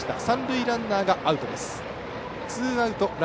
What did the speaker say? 三塁ランナーがアウト。